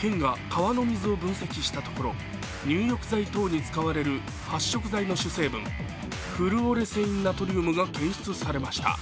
県が川の水を分析したところ入浴剤等に使われる発色剤の主成分、フルオレセインナトリウムが検出されました。